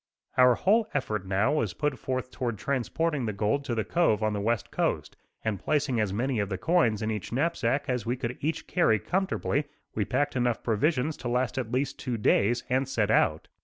Our whole effort, now, was put forth toward transporting the gold to the cove on the west coast; and placing as many of the coins in each knapsack as we could each carry comfortably, we packed enough provisions to last at least two days, and set out.